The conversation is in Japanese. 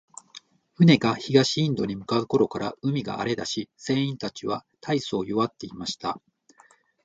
船が東インドに向う頃から、海が荒れだし、船員たちは大そう弱っていました。